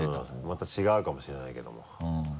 また違うかもしれないけども。